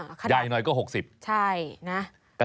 อ่าขนาดใหญ่หน่อยก็หกสิบใช่นะ